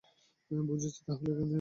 বুঝেছি, তা হলে এখনই যান!